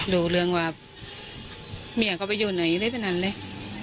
รู้เรื่องว่าเมียเขาไปอยู่ไหนได้เป็นนั้นเลย